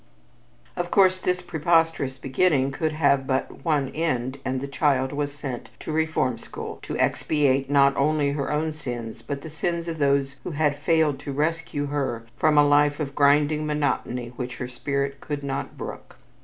Of course, this preposterous beginning could have but one ending and the child was sent to the reform school to expiate not only her own sins but the sins of those who had failed to rescue her from a life of grinding monotony which her spirit could not brook.